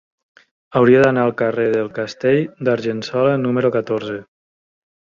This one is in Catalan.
Hauria d'anar al carrer del Castell d'Argençola número catorze.